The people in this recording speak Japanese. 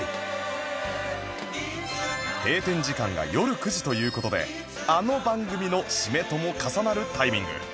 閉店時間が夜９時という事であの番組の締めとも重なるタイミング